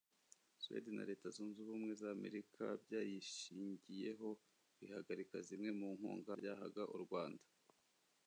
Suede na Leta Zunze Ubumwe za Amerika byayishingiyeho bihagarika zimwe mu nkunga byahaga u Rwanda